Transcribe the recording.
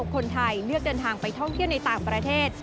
คนไทยเลือกเดินทางไปท่องเที่ยวในต่างประเทศ